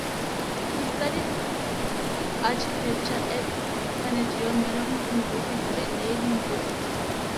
He studied architecture at Carnegie Mellon University and Yale University.